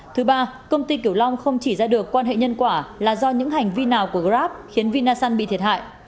thứ ba công ty kiểu long không chỉ ra được quan hệ nhân quả là do những hành vi nào của grab khiến vinasun bị thiệt hại